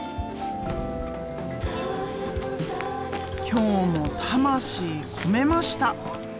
今日も魂込めました。